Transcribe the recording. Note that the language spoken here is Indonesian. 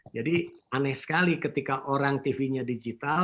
jadi aneh sekali ketika orang tv nya digital